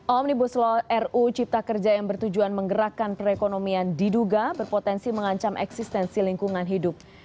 omnibus law ruu cipta kerja yang bertujuan menggerakkan perekonomian diduga berpotensi mengancam eksistensi lingkungan hidup